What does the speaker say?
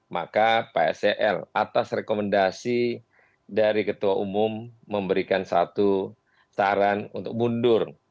maka pak sel atas rekomendasi dari ketua umum memberikan satu saran untuk mundur